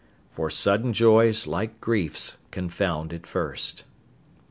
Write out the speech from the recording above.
"For sudden joys, like griefs, confound at first."